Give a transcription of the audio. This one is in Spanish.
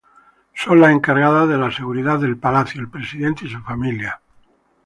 Son las encargadas de la seguridad del palacio, el presidente y su familia.